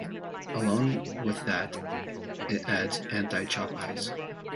Along with that it adds anti-chop eyes.